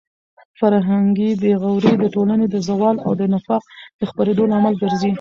فرهنګي بې غوري د ټولنې د زوال او د نفاق د خپرېدو لامل ګرځي.